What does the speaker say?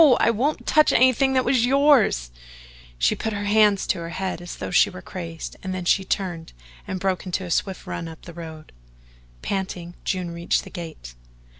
I wouldn't TOUCH anything that was yours" she put her hands to her head as though she were crazed, and then she turned and broke into a swift run up the road. Panting, June reached the gate.